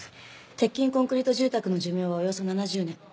鉄筋コンクリート住宅の寿命はおよそ７０年。